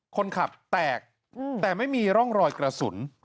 คนขับแตกแต่ไม่มีร่องรอยกระสุน